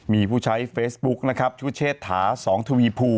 มีผู้ใช้เฟซบุ๊คนะครับชื่อเชษฐาสองทวีภู